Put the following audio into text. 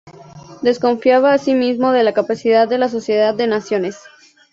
Desconfiaba asimismo de la capacidad de la Sociedad de Naciones.